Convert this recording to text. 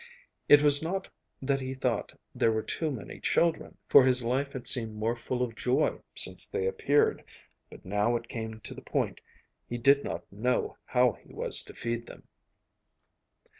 It was not that he thought there were too many children, for his life had seemed more full of joy since they appeared, but now it came to the point he did not know how he was to feed them.